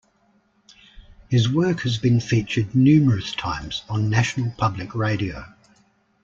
His work has been featured numerous times on National Public Radio.